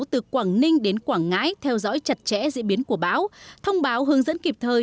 từ quảng ninh đến quảng ngãi theo dõi chặt chẽ diễn biến của báo thông báo hướng dẫn kịp thời